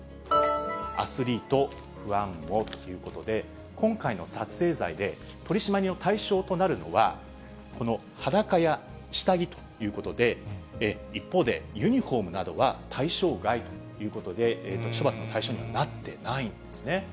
アスリート、不安もということで、今回の撮影罪で、取締りの対象となるのは、このはだかや下着ということで、一方で、ユニホームなどは対象外ということで、処罰の対象にはなっていないんですね。